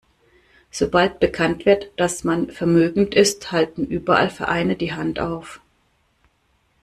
Sobald bekannt wird, dass man vermögend ist, halten überall Vereine die Hand auf.